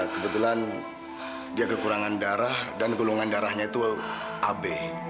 kebetulan dia kekurangan darah dan golongan darahnya itu ab